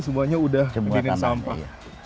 semuanya udah diberikan sampah